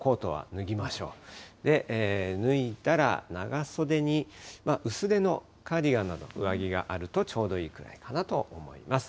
脱いだら長袖に薄手のカーディガンなど、上着があるとちょうどいいぐらいかなと思います。